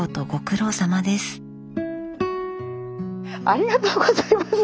ありがとうございます！